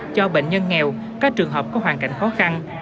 cho bệnh nhân nghèo các trường hợp có hoàn cảnh khó khăn